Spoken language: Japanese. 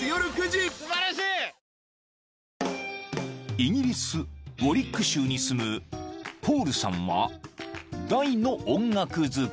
［イギリスウォリック州に住むポールさんは大の音楽好き］